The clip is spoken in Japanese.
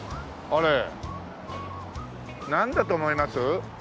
あれなんだと思います？